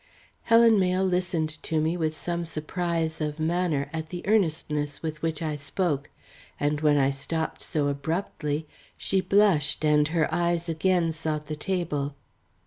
Helen Mayle listened to me with some surprise of manner at the earnestness with which I spoke and when I stopped so abruptly, she blushed and her eyes again sought the table.